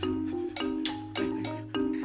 siti kamu beresik